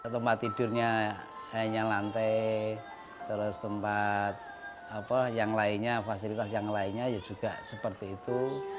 tempat tidurnya hanya lantai terus tempat apa yang lainnya fasilitas yang lainnya ya juga seperti itu